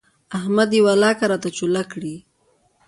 احمد يې ولاکه راته چوله کړي.